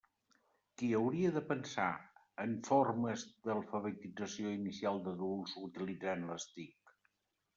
Qui hauria de pensar en formes d'alfabetització inicial d'adults utilitzant les TIC?